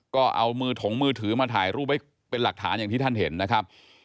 ก็เอามือถงมือถือมาถ่ายรูปไว้เป็นหลักฐานอย่างที่ท่านเห็นนะครับ